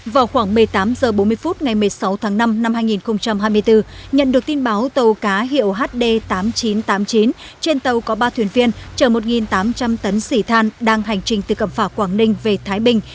vào khoảng một mươi tám h bốn mươi phút ngày một mươi sáu tháng năm năm hai nghìn hai mươi bốn nhận được tin báo tàu cá hiệu hd tám nghìn chín trăm tám mươi chín trên tàu có ba thuyền viên chở một tám trăm linh tấn xỉ than đang hành trình từ cẩm phả quảng ninh về thái bình